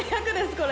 これ。